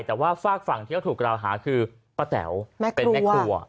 แต่ว่าฝากฝั่งที่เขาถูกกล่าวหาคือป้าแต๋วเป็นแม่ครัว